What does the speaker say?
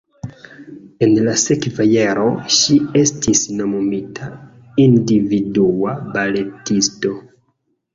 En la sekva jaro ŝi estis nomumita individua baletisto.